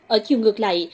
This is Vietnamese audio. ở chiều ngược lại